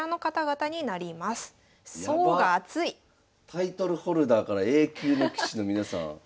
タイトルホルダーからＡ級の棋士の皆さん。